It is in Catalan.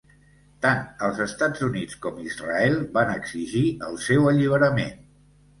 Tant els Estats Units com Israel van exigir el seu alliberament.